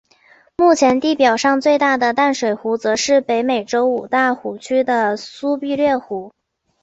目前地表上最大的淡水湖则是北美洲五大湖区的苏必略湖。